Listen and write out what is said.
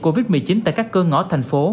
covid một mươi chín tại các cơ ngõ thành phố